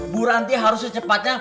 buranti harus secepatnya